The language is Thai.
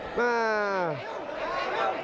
คุณครับ